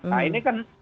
nah ini kan